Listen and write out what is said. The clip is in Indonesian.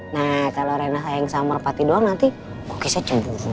nah kalau rina sayang sama merpati doang nanti kukisnya cemburu